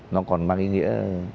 nó còn mang ý nghĩa